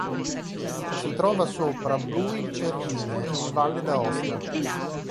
Si trova sopra Breuil-Cervinia, in Valle d'Aosta.